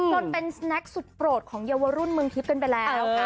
ก็เป็นแสน็กสุดโปรดของเยาวรุ่นเมืองพีชเป็นไปแล้วนะคะ